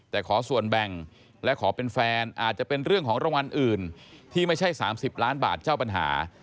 แต่ขอส่วนแบ่งและขอเป็นแฟนอาจจะเป็นเรื่องของรางวัลอื่นที่ไม่ใช่๓๐ล้านบาทเจ้าปัญหา